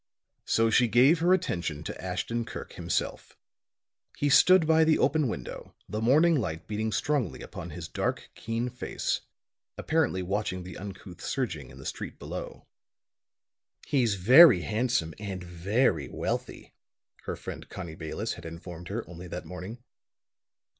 So she gave her attention to Ashton Kirk himself. He stood by the open window, the morning light beating strongly upon his dark, keen face, apparently watching the uncouth surging in the street below. "He's very handsome and very wealthy," her friend Connie Bayless had informed her only that morning.